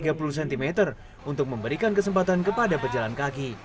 sebenarnya beton ini berjajar sekitar tiga puluh cm untuk memberikan kesempatan kepada berjalan kaki